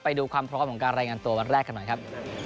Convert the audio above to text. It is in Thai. ไปดูความพร้อมของการรายงานตัววันแรกกันหน่อยครับ